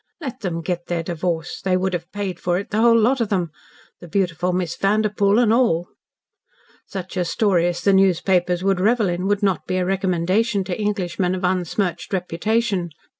Let them get their divorce, they would have paid for it, the whole lot of them, the beautiful Miss Vanderpoel and all. Such a story as the newspapers would revel in would not be a recommendation to Englishmen of unsmirched reputation.